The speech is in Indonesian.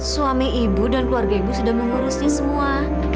suami ibu dan keluarga ibu sudah mengurusi semua